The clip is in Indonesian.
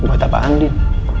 buat apaan din